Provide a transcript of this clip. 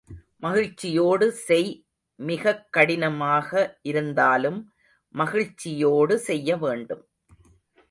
மகிழ்ச்சியோடு செய் மிகக் கடினமானதாக இருந்தாலும் மகிழ்ச்சியோடு செய்யவேண்டும்.